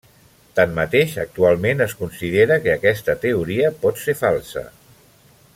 Tanmateix, actualment es considera que aquesta teoria pot ser falsa.